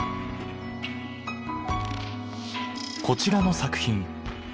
こちらの作品。